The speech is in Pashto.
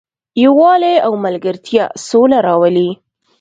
یووالی او ملګرتیا سوله راولي.